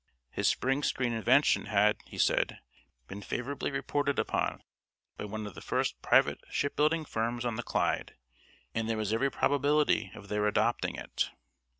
His spring screen invention had, he said, been favourably reported upon by one of the first private shipbuilding firms on the Clyde, and there was every probability of their adopting it.